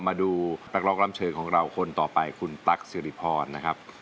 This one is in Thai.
มาดูนักร้องเชิญของเราคนต่อไปคุณตั๊กสิริพรนะครับ